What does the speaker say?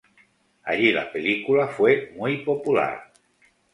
Allí la película fue muy popular.